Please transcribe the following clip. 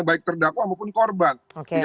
baik terdakwa maupun korban